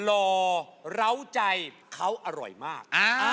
หล่อเล้าใจเขาอร่อยมาก